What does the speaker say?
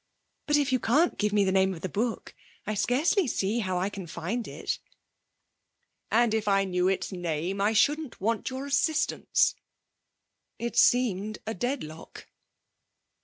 'But if you can't give me the name of the book I scarcely see how I can find it.' 'And if I knew its name I shouldn't want your assistance.' It seemed a deadlock.